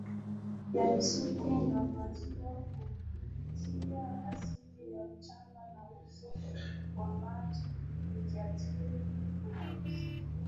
ya misitu na maziwa kupitia asidi ya mchanga na uso wa maji ikiathiri ukuzi